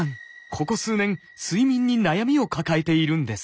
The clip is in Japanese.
ここ数年睡眠に悩みを抱えているんです。